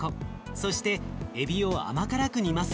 そしてえびを甘辛く煮ます。